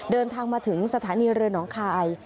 เดินทางมาถึงสถานีเรือหนองคาย